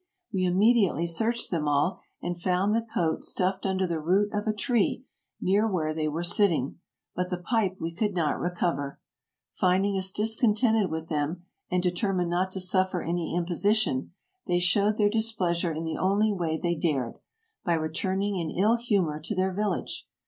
We immediately searched them all, and found the coat stuffed under the root of a tree near where they were sitting; but the pipe we could not recover. Finding us dis contented with them, and determined not to suffer any im position, they showed their displeasure in the only way they dared, by returning in ill humor to their village.